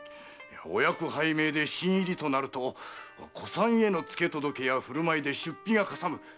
お役拝命で新入りとなると古参へのつけ届けや振る舞いで出費がかさむ。